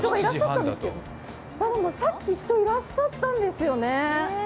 さっき人がいらっしゃったんですよね。